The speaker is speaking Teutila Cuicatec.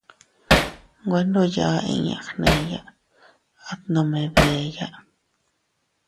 Nwe ndo yaa inña gneya, at nome beeya.